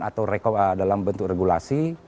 atau dalam bentuk regulasi